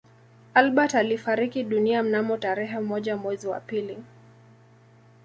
Albert alifariki dunia mnamo tarehe moja mwezi wa pili